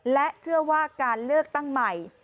และเชื่อว่าการเลือกตั้งใหม่